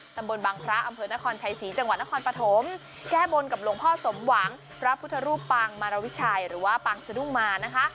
ตำบลบังพระอำเภอนครชัยศรีจังหวัดนครปฐมแก้บนกับหลวงพ่อสมหวังพระพุทธรูปปางมารวิชัยหรือว่าปางสะดุ้งมานะคะ